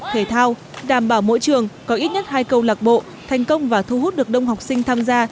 thể thao đảm bảo mỗi trường có ít nhất hai câu lạc bộ thành công và thu hút được đông học sinh tham gia